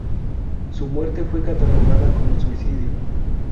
Su muerte fue catalogada como suicidio.